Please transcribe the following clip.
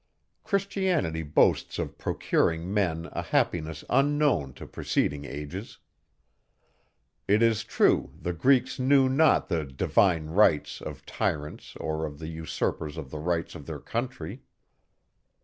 Christianity boasts of procuring men a happiness unknown to preceding ages. It is true, the Greeks knew not the divine rights of tyrants or of the usurpers of the rights of their country.